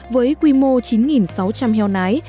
với quy mô chín sáu trăm linh heo nái